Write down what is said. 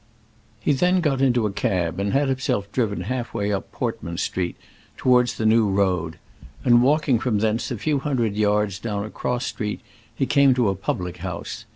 He then got into a cab and had himself driven half way up Portman Street towards the New Road, and walking from thence a few hundred yards down a cross street he came to a public house.